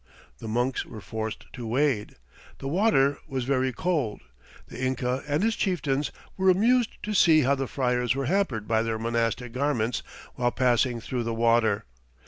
The monks were forced to wade. The water was very cold. The Inca and his chieftains were amused to see how the friars were hampered by their monastic garments while passing through the water.